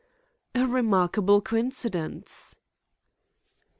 "A remarkable coincidence!"